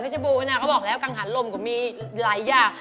ชื่อบูนะเขาบอกแล้วกังหันลมก็มีหลายอย่าง